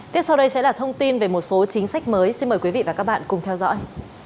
tiếp sau đây sẽ là thông tin về một số chính sách mới xin mời quý vị và các bạn cùng theo dõi